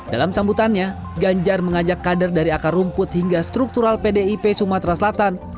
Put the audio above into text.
dalam sambutannya ganjar mengajak kader dari akar rumput hingga struktural pdip sumatera selatan